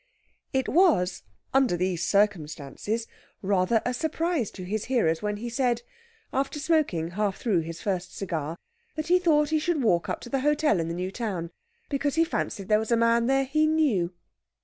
It was, under these circumstances, rather a surprise to his hearers when he said, after smoking half through his first cigar, that he thought he should walk up to the hotel in the new town, because he fancied there was a man there he knew.